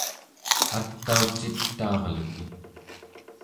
ataucitaarluki